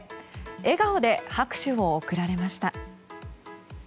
笑顔で拍手を送られました。